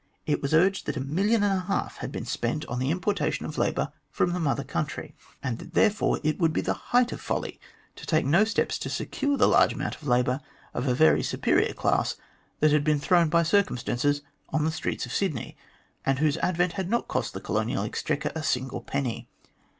It was urged that a million and a half had been spent on the importation of 122 THE GLADSTONE COLONY labour from the Mother Country, and that therefore it would be the height of folly to take no steps to secure the large amount of labour of a very superior class, that had been thrown by circumstances on the streets of Sydney, and whose advent had not cost the Colonial Exchequer a single penny.